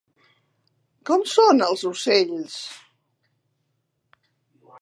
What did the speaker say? Com són els ocells?